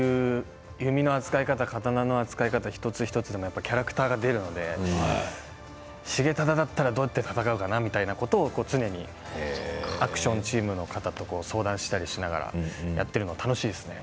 弓の扱い方刀の扱い方、一つ一つにキャラクターが出るので重忠だったらどう戦うかなということを常にアクションチームの方と相談しながらやっているのは楽しいですね。